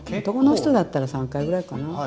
男の人だったら３回ぐらいかな。